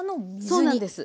そうなんです。